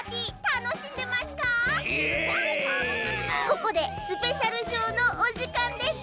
ここでスペシャルショーのおじかんです。